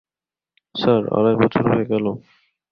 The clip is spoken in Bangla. স্যার, আড়াই বছর হয়ে গেল।